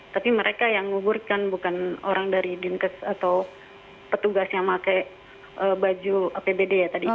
tapi mereka yang menguburkan bukan orang dari dinkes atau petugas yang pakai baju apbd ya tadi